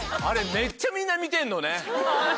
あれめっちゃみんな見てるのね。